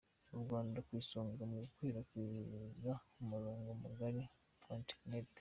U Rwanda ku isonga mu gukwirakwiza umurongo mugari wa Iterineti